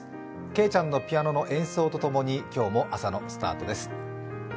けいちゃんのピアノの演奏と共に今日も朝のスタートです。